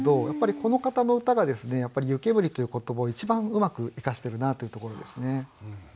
やっぱりこの方の歌が「湯けむり」という言葉を一番うまく生かしてるなあというところですね。